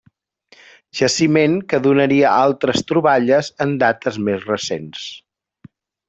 Jaciment que donaria altres troballes en dates més recents.